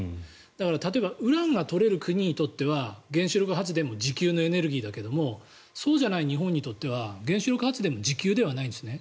だから、例えばウランが取れる国にとっては原子力発電も自給のエネルギーだけどそうじゃない日本にとっては原子力発電も自給ではないんですね。